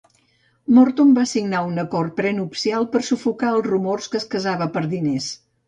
Morton va signar un acord prenupcial per sufocar els rumors que es casava per diners.